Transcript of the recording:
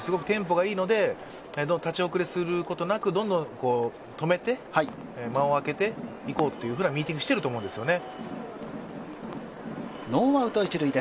戸郷選手、すごくテンポがいいので立ち後れすることなくどんどん止めて間を開けていこうというミーティングをしてると思うんですよね。